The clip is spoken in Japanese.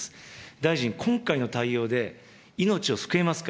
大臣、今回の対応で、命を救えますか。